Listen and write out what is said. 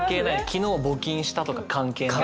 昨日募金したとか関係ない。